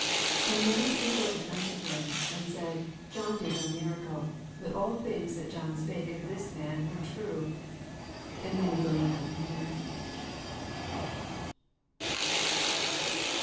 41 And many resorted unto him, and said, John did no miracle: but all things that John spake of this man were true. 42 And many believed on him there.